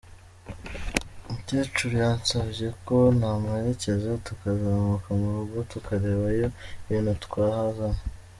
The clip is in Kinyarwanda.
Mukecuru yansabye ko namuherekeza tukazamuka mu rugo tukarebayo ibintu twahazana.